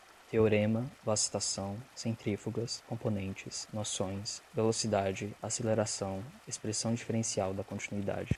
teorema, vacitação, centrífugas, componentes, noções, velocidade, aceleração, expressão diferencial da continuidade